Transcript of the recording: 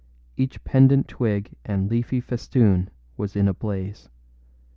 Each pendent twig and leafy festoon was in a blaze.